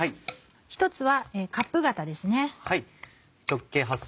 １つはカップ型です。